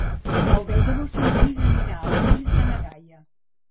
El deu d'agost en Genís anirà als Omells de na Gaia.